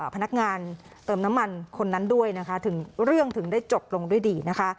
พนักงานเติมน้ำมันคนนั้นด้วยนะคะถึงเรื่องถึงได้จบลงด้วยดีนะคะ